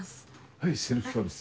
はいセルフサービス。